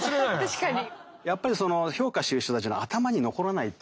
確かに。